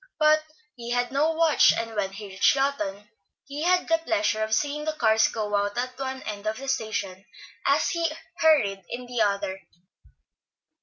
But he had no watch, and when he reached Lawton he had the pleasure of seeing the cars go out at one end of the station as he hurried in at the other.